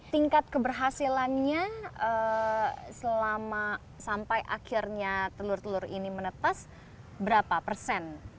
tingkat keberhasilannya selama sampai akhirnya telur telur ini menetas berapa persen